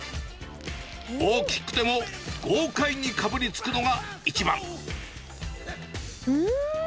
大きくても豪快にかぶりつくうーん。